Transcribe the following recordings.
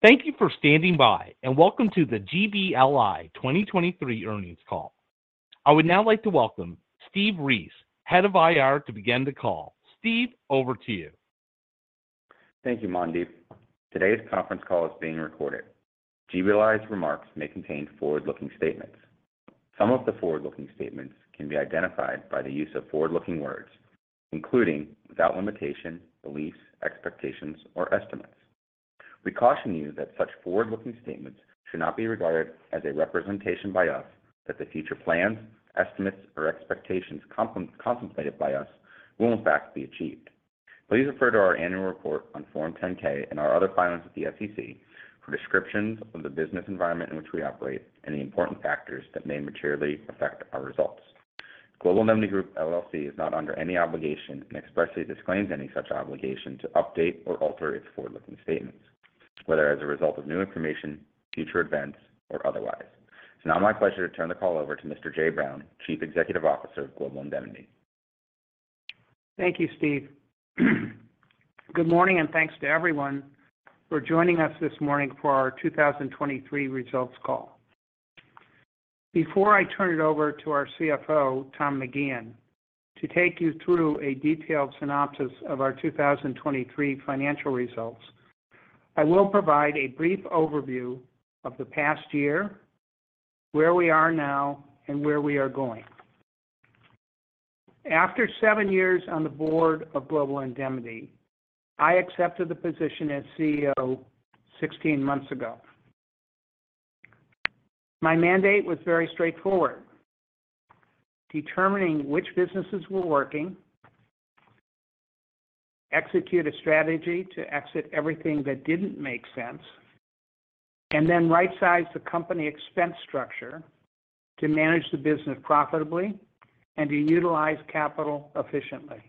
Thank you for standing by and welcome to the GBLI 2023 earnings call. I would now like to welcome Steve Ries, Head of IR, to begin the call. Steve, over to you. Thank you, Mandeep. Today's conference call is being recorded. GBLI's remarks may contain forward-looking statements. Some of the forward-looking statements can be identified by the use of forward-looking words, including "without limitation," "beliefs," "expectations," or "estimates." We caution you that such forward-looking statements should not be regarded as a representation by us that the future plans, estimates, or expectations contemplated by us will, in fact, be achieved. Please refer to our annual report on Form 10-K and our other filings at the SEC for descriptions of the business environment in which we operate and the important factors that may materially affect our results. Global Indemnity Group LLC is not under any obligation and expressly disclaims any such obligation to update or alter its forward-looking statements, whether as a result of new information, future events, or otherwise. It's now my pleasure to turn the call over to Mr. Jay Brown, Chief Executive Officer of Global Indemnity. Thank you, Steve. Good morning and thanks to everyone for joining us this morning for our 2023 results call. Before I turn it over to our CFO, Tom McGeehan, to take you through a detailed synopsis of our 2023 financial results, I will provide a brief overview of the past year, where we are now, and where we are going. After seven years on the board of Global Indemnity, I accepted the position as CEO 16 months ago. My mandate was very straightforward: determining which businesses were working, execute a strategy to exit everything that didn't make sense, and then right-size the company expense structure to manage the business profitably and to utilize capital efficiently.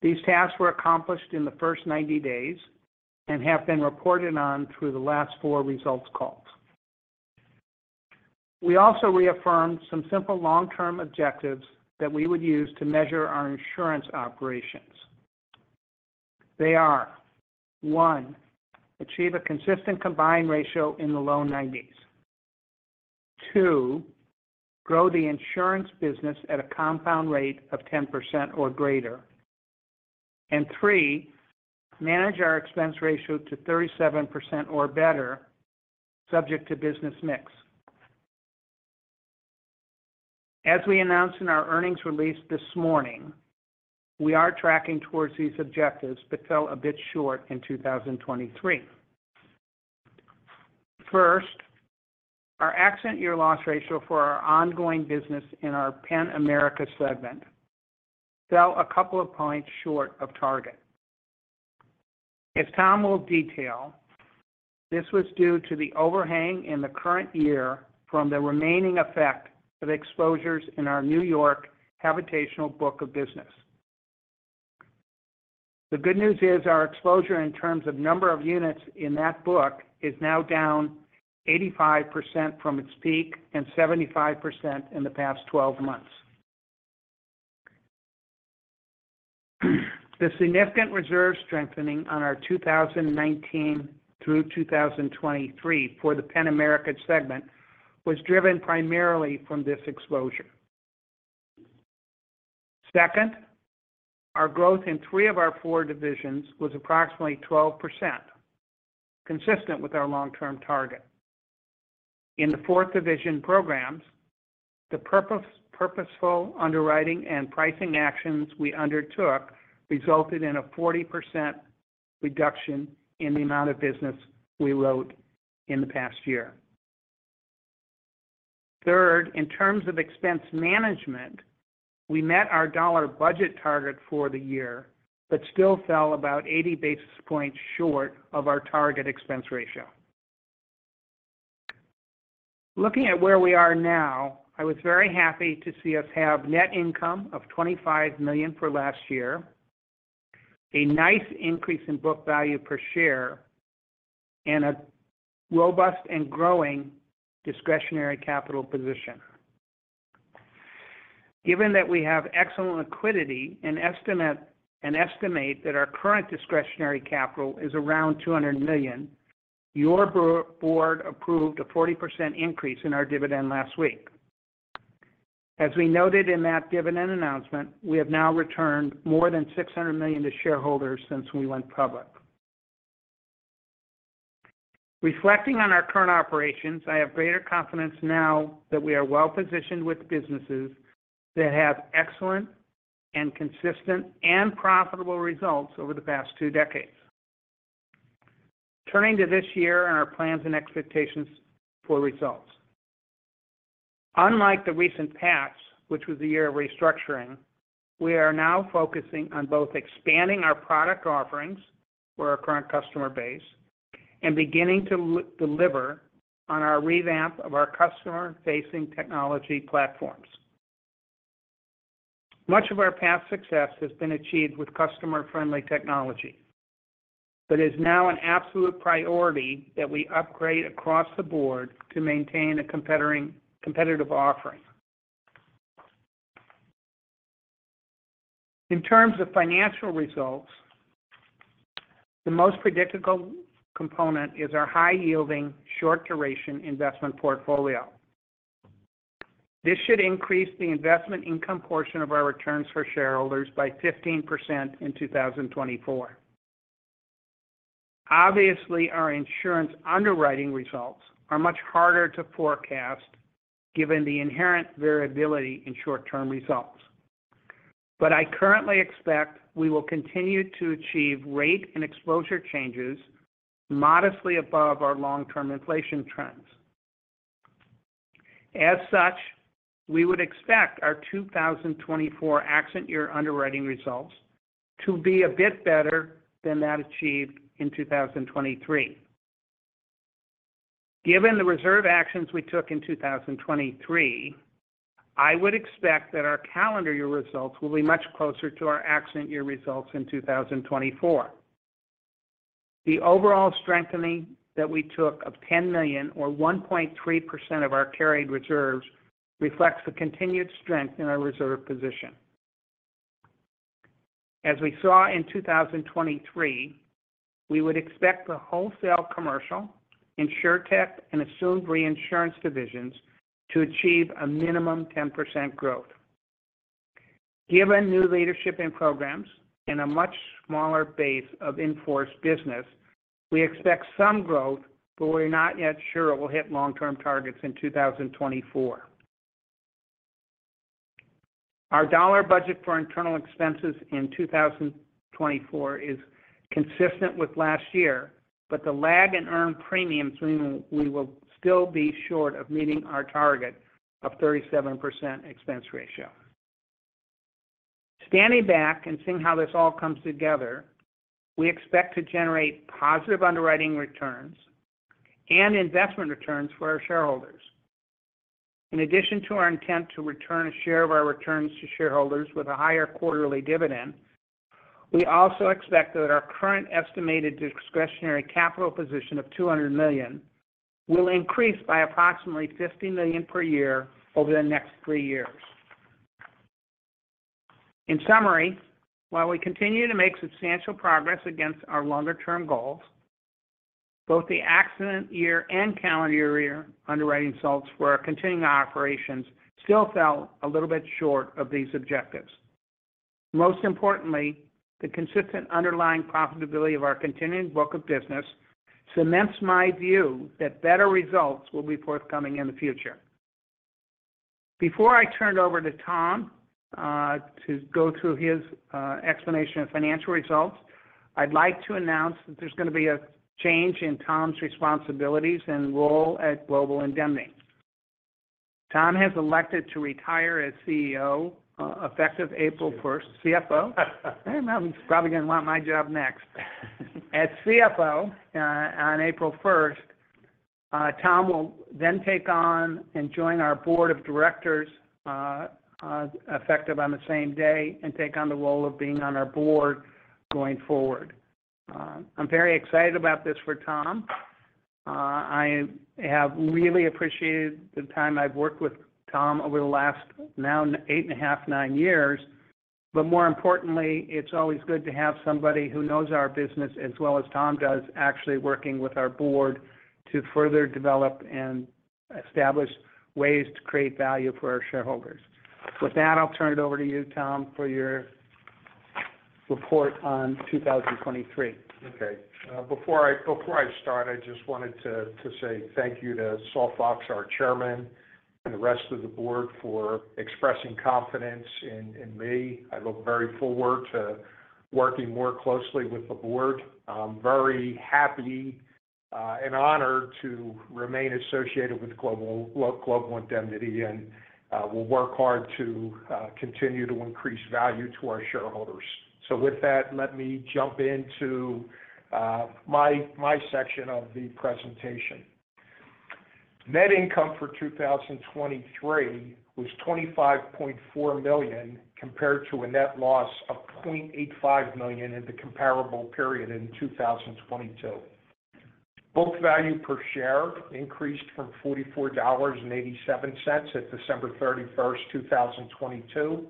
These tasks were accomplished in the first 90 days and have been reported on through the last four results calls. We also reaffirmed some simple long-term objectives that we would use to measure our insurance operations. They are: one, achieve a consistent combined ratio in the low 90s, two, grow the insurance business at a compound rate of 10% or greater, and three, manage our expense ratio to 37% or better, subject to business mix. As we announced in our earnings release this morning, we are tracking toward these objectives but fell a bit short in 2023. First, our accident year loss ratio for our ongoing business in our Penn-America segment fell a couple of points short of target. As Tom will detail, this was due to the overhang in the current year from the remaining effect of exposures in our New York Habitational Book of Business. The good news is our exposure in terms of number of units in that book is now down 85% from its peak and 75% in the past 12 months. The significant reserve strengthening on our 2019 through 2023 for the Penn-America segment was driven primarily from this exposure. Second, our growth in three of our four divisions was approximately 12%, consistent with our long-term target. In the fourth division Programs, the purposeful underwriting and pricing actions we undertook resulted in a 40% reduction in the amount of business we wrote in the past year. Third, in terms of expense management, we met our dollar budget target for the year but still fell about 80 basis points short of our target expense ratio. Looking at where we are now, I was very happy to see us have net income of $25 million for last year, a nice increase in book value per share, and a robust and growing discretionary capital position. Given that we have excellent liquidity and estimate that our current discretionary capital is around $200 million, your board approved a 40% increase in our dividend last week. As we noted in that dividend announcement, we have now returned more than $600 million to shareholders since we went public. Reflecting on our current operations, I have greater confidence now that we are well-positioned with businesses that have excellent and consistent and profitable results over the past two decades. Turning to this year and our plans and expectations for results. Unlike the recent patch, which was the year of restructuring, we are now focusing on both expanding our product offerings for our current customer base and beginning to deliver on our revamp of our customer-facing technology platforms. Much of our past success has been achieved with customer-friendly technology, but it is now an absolute priority that we upgrade across the board to maintain a competitive offering. In terms of financial results, the most predictable component is our high-yielding, short-duration investment portfolio. This should increase the investment income portion of our returns for shareholders by 15% in 2024. Obviously, our insurance underwriting results are much harder to forecast given the inherent variability in short-term results, but I currently expect we will continue to achieve rate and exposure changes modestly above our long-term inflation trends. As such, we would expect our 2024 accident year underwriting results to be a bit better than that achieved in 2023. Given the reserve actions we took in 2023, I would expect that our calendar year results will be much closer to our accident year results in 2024. The overall strengthening that we took of $10 million, or 1.3% of our carried reserves, reflects the continued strength in our reserve position. As we saw in 2023, we would expect the Wholesale Commercial, InsurTech, and Assumed Reinsurance divisions to achieve a minimum 10% growth. Given new leadership in Programs and a much smaller base of in-force business, we expect some growth, but we're not yet sure it will hit long-term targets in 2024. Our dollar budget for internal expenses in 2024 is consistent with last year, but the lag in earned premiums. We will still be short of meeting our target of 37% expense ratio. Standing back and seeing how this all comes together, we expect to generate positive underwriting returns and investment returns for our shareholders. In addition to our intent to return a share of our returns to shareholders with a higher quarterly dividend, we also expect that our current estimated discretionary capital position of $200 million will increase by approximately $50 million per year over the next three years. In summary, while we continue to make substantial progress against our longer-term goals, both the accident year and calendar year underwriting results for our continuing operations still fell a little bit short of these objectives. Most importantly, the consistent underlying profitability of our continuing book of business cements my view that better results will be forthcoming in the future. Before I turn it over to Tom to go through his explanation of financial results, I'd like to announce that there's going to be a change in Tom's responsibilities and role at Global Indemnity. Tom has elected to retire as CFO effective April 1st. CFO? He's probably going to want my job next. As CFO on April 1st, Tom will then take on and join our board of directors effective on the same day and take on the role of being on our board going forward. I'm very excited about this for Tom. I have really appreciated the time I've worked with Tom over the last now eight and a half, nine years. More importantly, it's always good to have somebody who knows our business as well as Tom does actually working with our board to further develop and establish ways to create value for our shareholders. With that, I'll turn it over to you, Tom, for your report on 2023. Okay. Before I start, I just wanted to say thank you to Saul Fox, our chairman, and the rest of the board for expressing confidence in me. I look very forward to working more closely with the board. I'm very happy and honored to remain associated with Global Indemnity and will work hard to continue to increase value to our shareholders. So with that, let me jump into my section of the presentation. Net income for 2023 was $25.4 million compared to a net loss of $0.85 million in the comparable period in 2022. Book value per share increased from $44.87 at December 31st, 2022,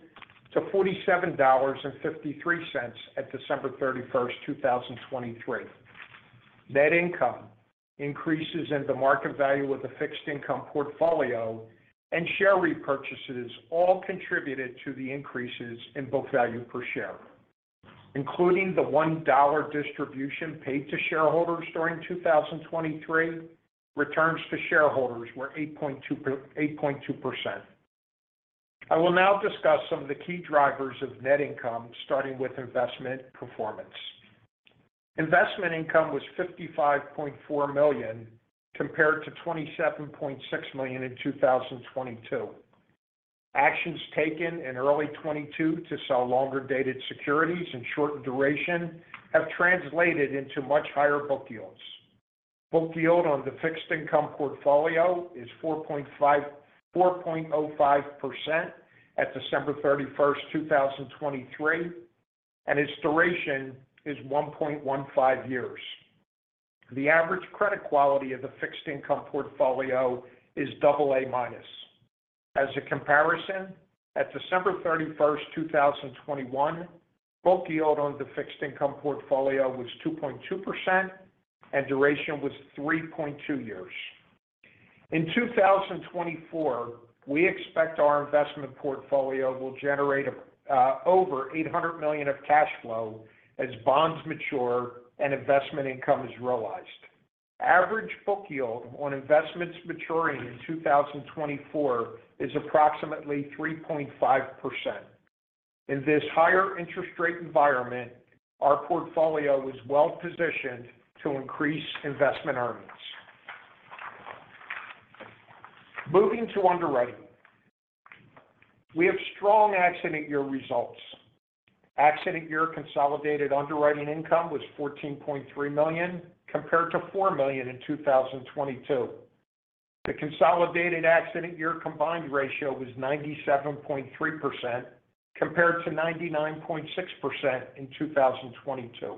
to $47.53 at December 31st, 2023. Net income, increases in the market value of the fixed income portfolio, and share repurchases all contributed to the increases in book value per share. Including the $1 distribution paid to shareholders during 2023, returns to shareholders were 8.2%. I will now discuss some of the key drivers of net income, starting with investment performance. Investment income was $55.4 million compared to $27.6 million in 2022. Actions taken in early 2022 to sell longer-dated securities in shortened duration have translated into much higher book yields. Book yield on the fixed income portfolio is 4.05% at December 31st, 2023, and its duration is 1.15 years. The average credit quality of the fixed income portfolio is AA-. As a comparison, at December 31st, 2021, book yield on the fixed income portfolio was 2.2% and duration was 3.2 years. In 2024, we expect our investment portfolio will generate over $800 million of cash flow as bonds mature and investment income is realized. Average book yield on investments maturing in 2024 is approximately 3.5%. In this higher interest rate environment, our portfolio is well-positioned to increase investment earnings. Moving to underwriting. We have strong accident year results. Accident year consolidated underwriting income was $14.3 million compared to $4 million in 2022. The consolidated accident year combined ratio was 97.3% compared to 99.6% in 2022.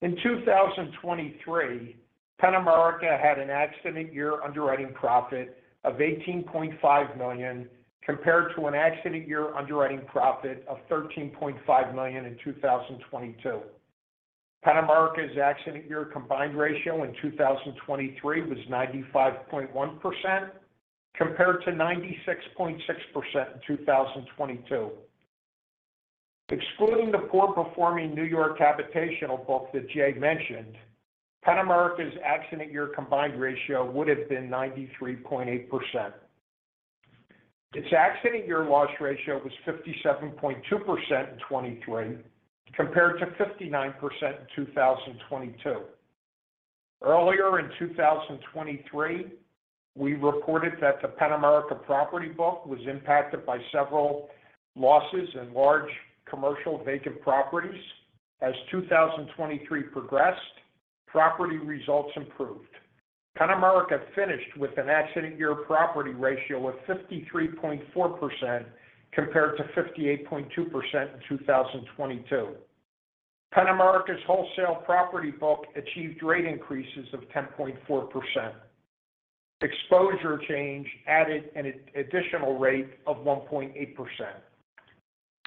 In 2023, Penn-America had an accident year underwriting profit of $18.5 million compared to an accident year underwriting profit of $13.5 million in 2022. Penn-America's accident year combined ratio in 2023 was 95.1% compared to 96.6% in 2022. Excluding the poor-performing New York Habitational Book that Jay mentioned, Penn-America's accident year combined ratio would have been 93.8%. Its accident year loss ratio was 57.2% in 2023 compared to 59% in 2022. Earlier in 2023, we reported that the Penn-America property book was impacted by several losses in large commercial vacant properties. As 2023 progressed, property results improved. Penn-America finished with an accident year property ratio of 53.4% compared to 58.2% in 2022. Penn-America's wholesale property book achieved rate increases of 10.4%. Exposure change added an additional rate of 1.8%.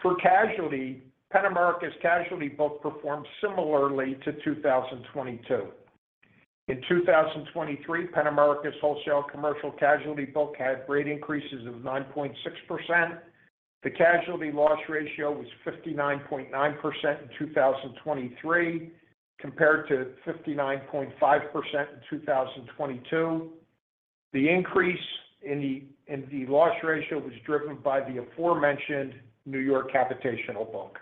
For casualty, Penn-America's casualty book performed similarly to 2022. In 2023, Penn-America's wholesale commercial casualty book had rate increases of 9.6%. The casualty loss ratio was 59.9% in 2023 compared to 59.5% in 2022. The increase in the loss ratio was driven by the aforementioned New York Habitational Book.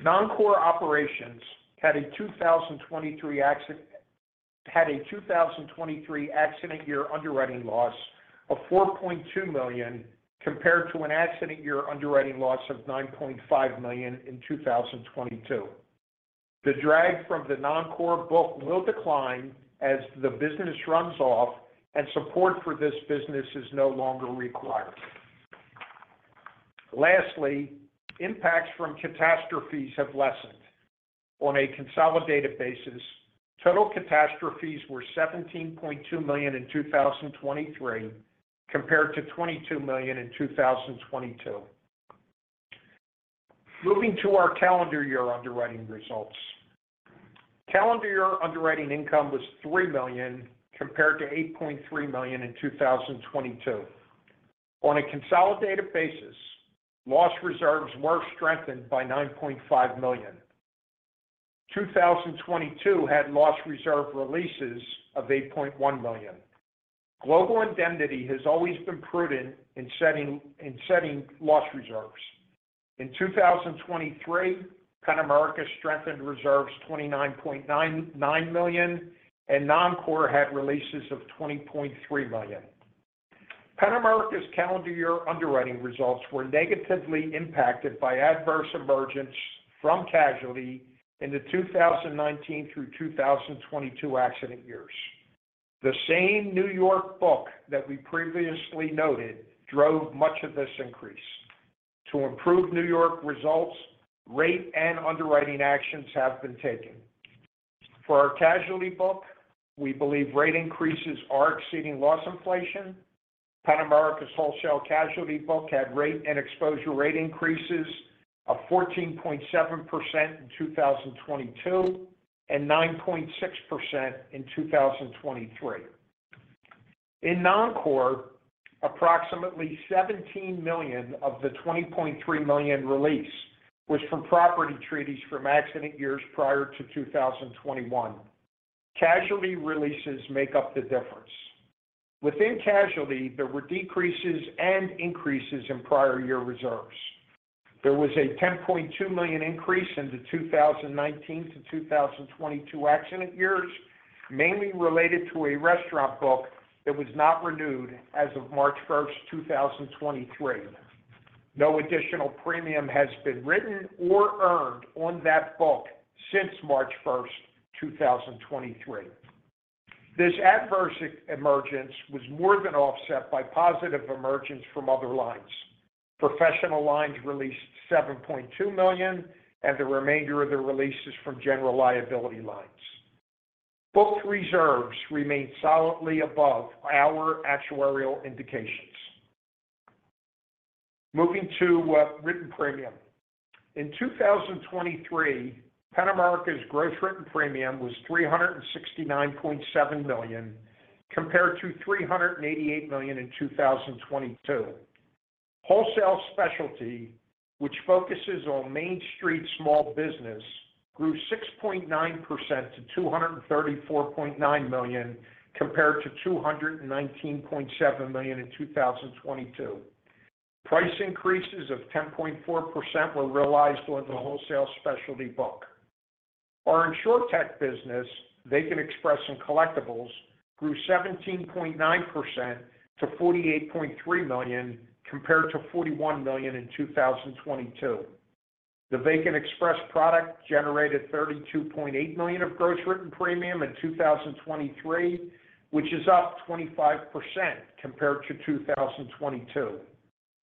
Non-core operations had a 2023 accident year underwriting loss of $4.2 million compared to an accident year underwriting loss of $9.5 million in 2022. The drag from the non-core book will decline as the business runs off and support for this business is no longer required. Lastly, impacts from catastrophes have lessened. On a consolidated basis, total catastrophes were $17.2 million in 2023 compared to $22 million in 2022. Moving to our calendar year underwriting results. Calendar year underwriting income was $3 million compared to $8.3 million in 2022. On a consolidated basis, loss reserves were strengthened by $9.5 million. 2022 had loss reserve releases of $8.1 million. Global Indemnity has always been prudent in setting loss reserves. In 2023, Penn-America strengthened reserves $29.9 million and non-core had releases of $20.3 million. Penn-America's calendar year underwriting results were negatively impacted by adverse emergence from casualty in the 2019 through 2022 accident years. The same New York book that we previously noted drove much of this increase. To improve New York results, rate and underwriting actions have been taken. For our casualty book, we believe rate increases are exceeding loss inflation. Penn-America's wholesale casualty book had rate and exposure rate increases of 14.7% in 2022 and 9.6% in 2023. In non-core, approximately $17 million of the $20.3 million release was from property treaties from accident years prior to 2021. Casualty releases make up the difference. Within casualty, there were decreases and increases in prior year reserves. There was a $10.2 million increase in the 2019 to 2022 accident years, mainly related to a restaurant book that was not renewed as of March 1st, 2023. No additional premium has been written or earned on that book since March 1st, 2023. This adverse emergence was more than offset by positive emergence from other lines. Professional lines released $7.2 million and the remainder of the releases from general liability lines. Book reserves remain solidly above our actuarial indications. Moving to written premium. In 2023, Penn-America's gross written premium was $369.7 million compared to $388 million in 2022. Wholesale specialty, which focuses on Main Street small business, grew 6.9% to $234.9 million compared to $219.7 million in 2022. Price increases of 10.4% were realized on the wholesale specialty book. Our insurtech business, Vacant Express and Collectibles, grew 17.9% to $48.3 million compared to $41 million in 2022. The Vacant Express product generated $32.8 million of gross written premium in 2023, which is up 25% compared to 2022.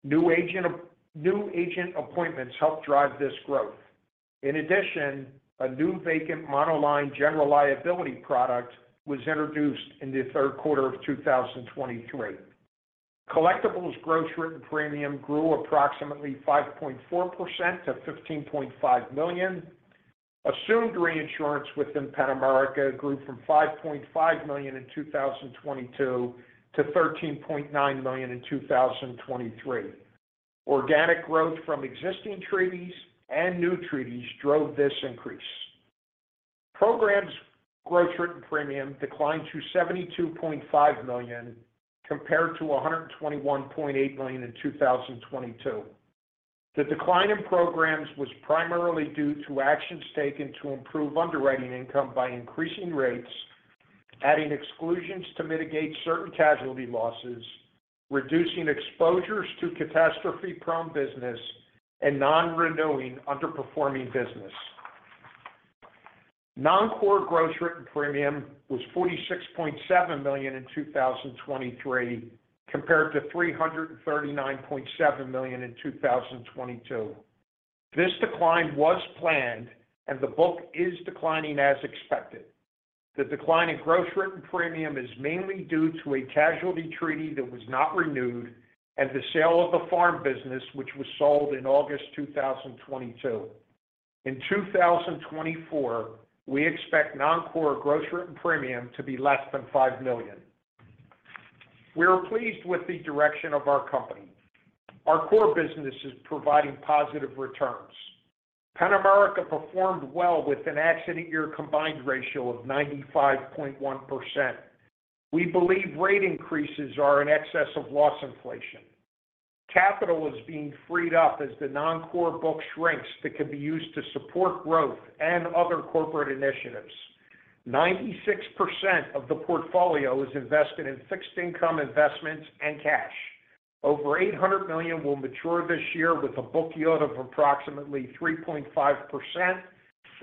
New agent appointments helped drive this growth. In addition, a new vacant monoline general liability product was introduced in the third quarter of 2023. Collectibles gross written premium grew approximately 5.4% to $15.5 million. Assumed reinsurance within Penn-America grew from $5.5 million in 2022 to $13.9 million in 2023. Organic growth from existing treaties and new treaties drove this increase. Programs gross written premium declined to $72.5 million compared to $121.8 million in 2022. The decline in Programs was primarily due to actions taken to improve underwriting income by increasing rates, adding exclusions to mitigate certain casualty losses, reducing exposures to catastrophe-prone business, and non-renewing underperforming business. Non-core gross written premium was $46.7 million in 2023 compared to $339.7 million in 2022. This decline was planned and the book is declining as expected. The decline in gross written premium is mainly due to a casualty treaty that was not renewed and the sale of the farm business, which was sold in August 2022. In 2024, we expect non-core gross written premium to be less than $5 million. We are pleased with the direction of our company. Our core business is providing positive returns. Penn-America performed well with an accident year combined ratio of 95.1%. We believe rate increases are an excess of loss inflation. Capital is being freed up as the non-core book shrinks that can be used to support growth and other corporate initiatives. 96% of the portfolio is invested in fixed income investments and cash. Over $800 million will mature this year with a book yield of approximately 3.5%.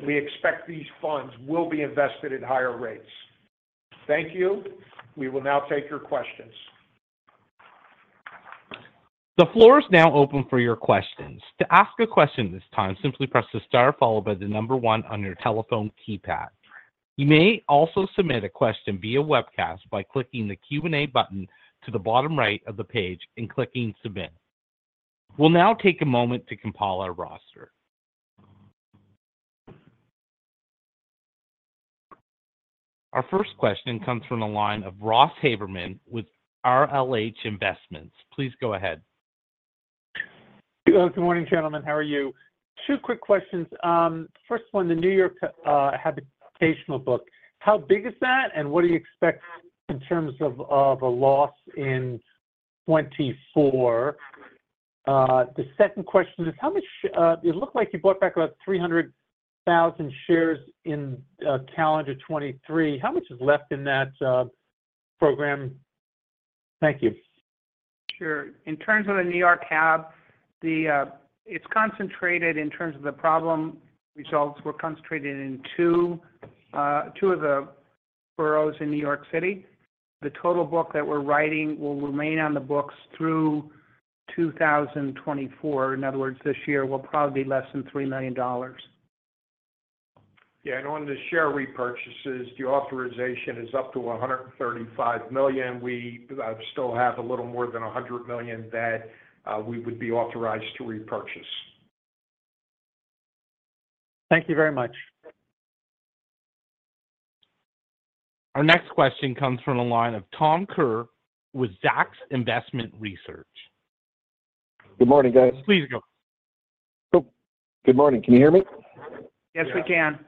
We expect these funds will be invested at higher rates. Thank you. We will now take your questions. The floor is now open for your questions. To ask a question this time, simply press the star followed by the number one on your telephone keypad. You may also submit a question via webcast by clicking the Q&A button to the bottom right of the page and clicking Submit. We'll now take a moment to compile our roster. Our first question comes from a line of Ross Haberman with RLH Investments. Please go ahead. Good morning, gentlemen. How are you? Two quick questions. First one, the New York Habitational Book, how big is that and what do you expect in terms of a loss in 2024? The second question is, how much it looked like you bought back about 300,000 shares in calendar 2023. How much is left in that program? Thank you. Sure. In terms of the New York Hab, it's concentrated in terms of the problem results, we're concentrated in two of the boroughs in New York City. The total book that we're writing will remain on the books through 2024. In other words, this year will probably be less than $3 million. Yeah. And on the share repurchases, the authorization is up to $135 million. I still have a little more than $100 million that we would be authorized to repurchase. Thank you very much. Our next question comes from a line of Tom Kerr with Zacks Investment Research. Good morning, guys. Please go. Good morning. Can you hear me? Yes, we can.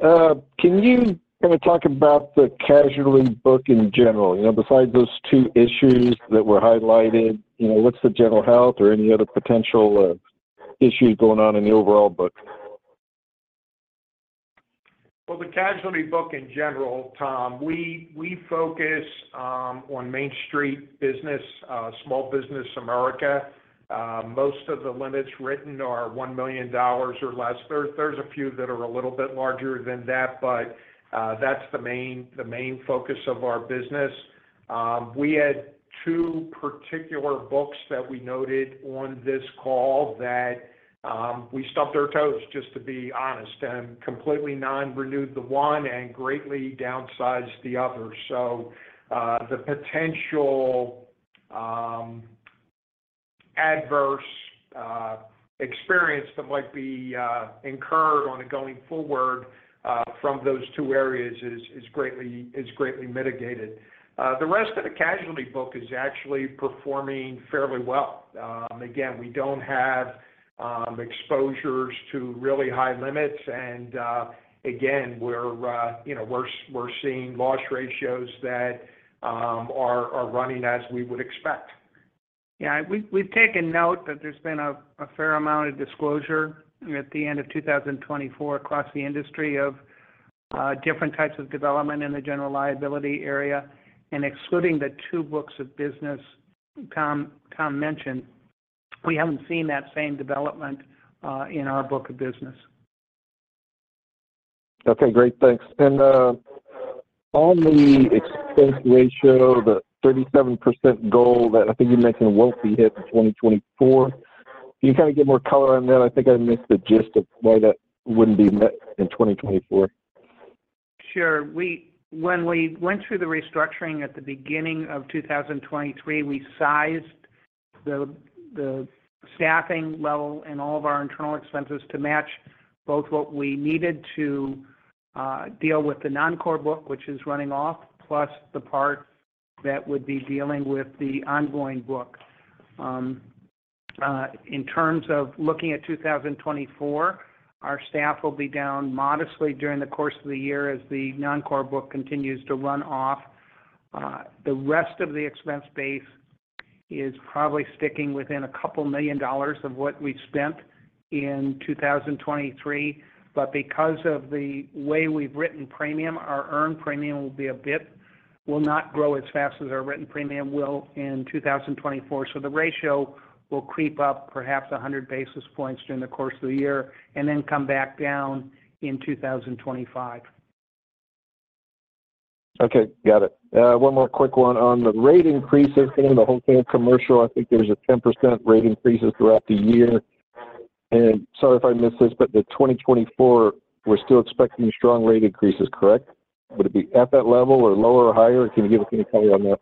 Can you kind of talk about the casualty book in general? Besides those two issues that were highlighted, what's the general health or any other potential issues going on in the overall book? Well, the casualty book in general, Tom, we focus on Main Street business, small business America. Most of the limits written are $1 million or less. There's a few that are a little bit larger than that, but that's the main focus of our business. We had two particular books that we noted on this call that we stumped our toes, just to be honest, and completely non-renewed the one and greatly downsized the other. So the potential adverse experience that might be incurred on a going forward from those two areas is greatly mitigated. The rest of the casualty book is actually performing fairly well. Again, we don't have exposures to really high limits. And again, we're seeing loss ratios that are running as we would expect. Yeah. We've taken note that there's been a fair amount of disclosure at the end of 2024 across the industry of different types of development in the general liability area. And excluding the two books of business Tom mentioned, we haven't seen that same development in our book of business. Okay. Great. Thanks. And on the expense ratio, the 37% goal that I think you mentioned won't be hit in 2024, can you kind of get more color on that? I think I missed the gist of why that wouldn't be met in 2024. Sure. When we went through the restructuring at the beginning of 2023, we sized the staffing level and all of our internal expenses to match both what we needed to deal with the non-core book, which is running off, plus the part that would be dealing with the ongoing book. In terms of looking at 2024, our staff will be down modestly during the course of the year as the non-core book continues to run off. The rest of the expense base is probably sticking within $2 million of what we spent in 2023. Because of the way we've written premium, our earned premium will not grow as fast as our written premium will in 2024. So the ratio will creep up perhaps 100 basis points during the course of the year and then come back down in 2025. Okay. Got it. One more quick one. On the rate increases in the wholesale commercial, I think there's a 10% rate increase throughout the year. And sorry if I missed this, but the 2024, we're still expecting strong rate increases, correct? Would it be at that level or lower or higher? Can you give us any color on that?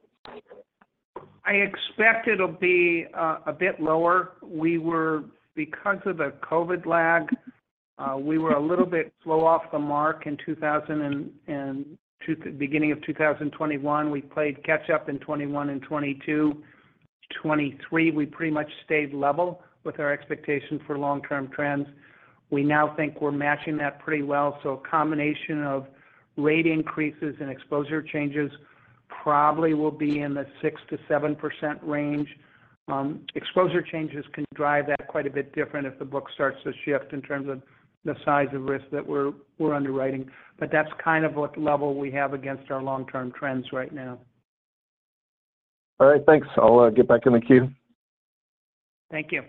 I expect it'll be a bit lower. Because of the COVID lag, we were a little bit slow off the mark in the beginning of 2021. We played catch-up in 2021 and 2022. 2023, we pretty much stayed level with our expectation for long-term trends. We now think we're matching that pretty well. So a combination of rate increases and exposure changes probably will be in the 6%-7% range. Exposure changes can drive that quite a bit different if the book starts to shift in terms of the size of risk that we're underwriting. But that's kind of what level we have against our long-term trends right now. All right. Thanks. I'll get back in the queue. Thank you.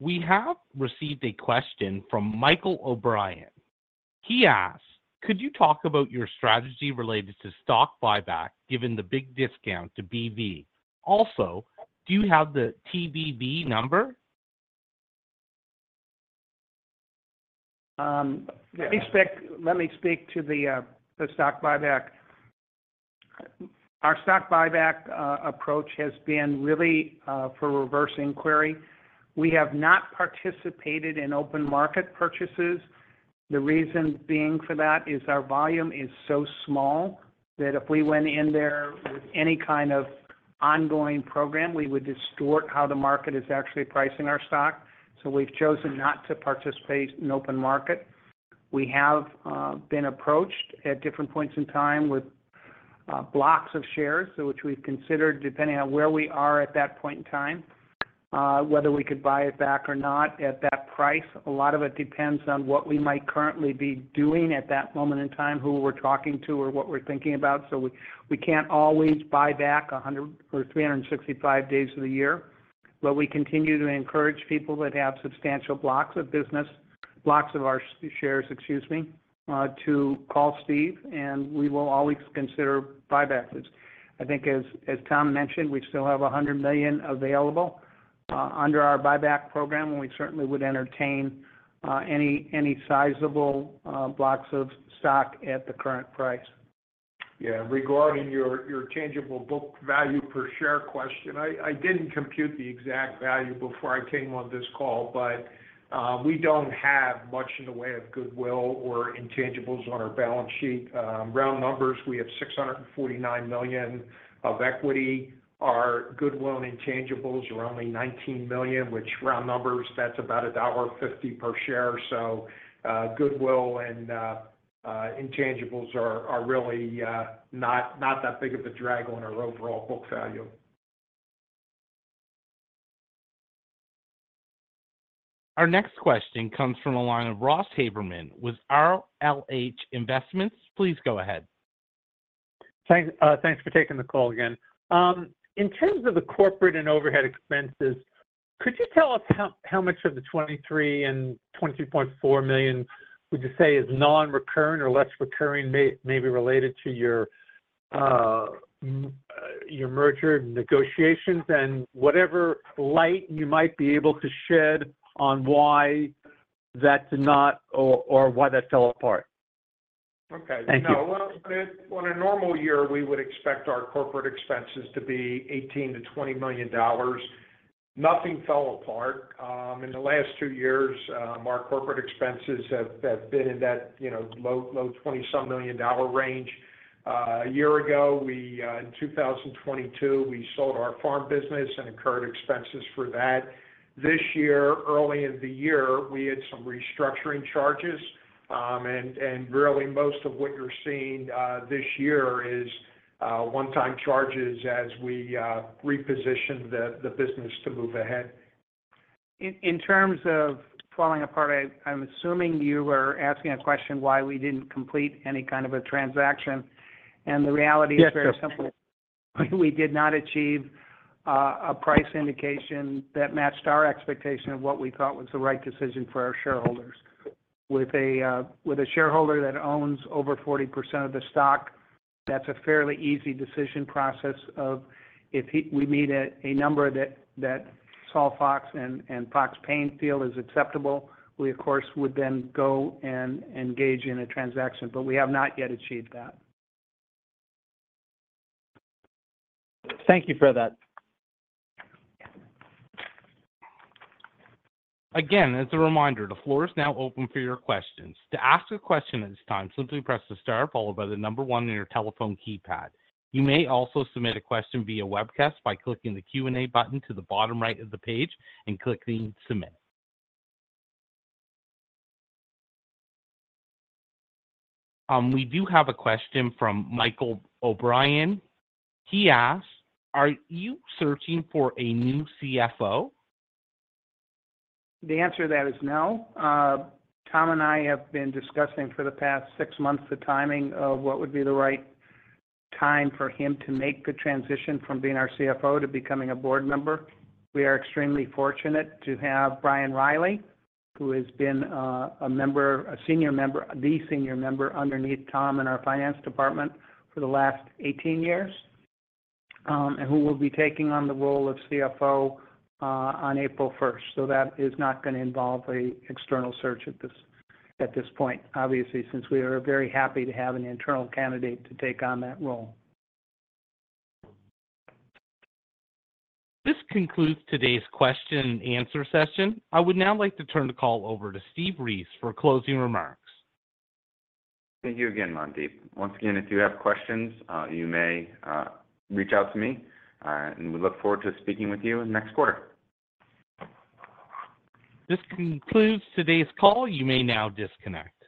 We have received a question from Michael O'Brien. He asks, "Could you talk about your strategy related to stock buyback given the big discount to BV? Also, do you have the TBV number?" Let me speak to the stock buyback. Our stock buyback approach has been really for reverse inquiry. We have not participated in open market purchases. The reason being for that is our volume is so small that if we went in there with any kind of ongoing program, we would distort how the market is actually pricing our stock. So we've chosen not to participate in open market. We have been approached at different points in time with blocks of shares, which we've considered depending on where we are at that point in time, whether we could buy it back or not at that price. A lot of it depends on what we might currently be doing at that moment in time, who we're talking to, or what we're thinking about. So we can't always buy back 365 days of the year. But we continue to encourage people that have substantial blocks of business, blocks of our shares, excuse me, to call Steve, and we will always consider buybacks. I think, as Tom mentioned, we still have $100 million available under our buyback program, and we certainly would entertain any sizable blocks of stock at the current price. Yeah. Regarding your tangible book value per share question, I didn't compute the exact value before I came on this call, but we don't have much in the way of goodwill or intangibles on our balance sheet. Round numbers, we have $649 million of equity. Our goodwill and intangibles are only $19 million, which round numbers, that's about $1.50 per share. So goodwill and intangibles are really not that big of a drag on our overall book value. Our next question comes from a line of Ross Haberman with RLH Investments. Please go ahead. Thanks for taking the call again. In terms of the corporate and overhead expenses, could you tell us how much of the $23 million and $23.4 million would you say is non-recurring or less recurring, maybe related to your merger negotiations and whatever light you might be able to shed on why that did not or why that fell apart? Okay. No. On a normal year, we would expect our corporate expenses to be $18 million-$20 million. Nothing fell apart. In the last two years, our corporate expenses have been in that low 20-some million dollar range. A year ago, in 2022, we sold our farm business and incurred expenses for that. This year, early in the year, we had some restructuring charges. And really, most of what you're seeing this year is one-time charges as we reposition the business to move ahead. In terms of falling apart, I'm assuming you were asking a question why we didn't complete any kind of a transaction. The reality is very simple. We did not achieve a price indication that matched our expectation of what we thought was the right decision for our shareholders. With a shareholder that owns over 40% of the stock, that's a fairly easy decision process of if we meet a number that Saul Fox and Fox Paine feel is acceptable, we, of course, would then go and engage in a transaction. But we have not yet achieved that. Thank you for that. Again, as a reminder, the floor is now open for your questions. To ask a question at this time, simply press the star followed by the number one on your telephone keypad. You may also submit a question via webcast by clicking the Q&A button to the bottom right of the page and clicking Submit. We do have a question from Michael O'Brien. He asks, "Are you searching for a new CFO?" The answer to that is no. Tom and I have been discussing for the past six months the timing of what would be the right time for him to make the transition from being our CFO to becoming a board member. We are extremely fortunate to have Brian Riley, who has been a senior member, the senior member underneath Tom in our finance department for the last 18 years, and who will be taking on the role of CFO on April 1st. That is not going to involve an external search at this point, obviously, since we are very happy to have an internal candidate to take on that role. This concludes today's question and answer session. I would now like to turn the call over to Steve Ries for closing remarks. Thank you again, Mandeep. Once again, if you have questions, you may reach out to me. We look forward to speaking with you next quarter. This concludes today's call. You may now disconnect.